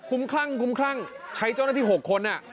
คุ้มคลั่งใช้เจ้าหน้าที่๖คน